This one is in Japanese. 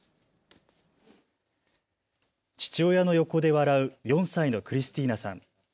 父親の横で笑う４歳のクリスティーナさん。